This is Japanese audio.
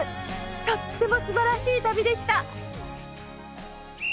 とってもすばらしい旅でした。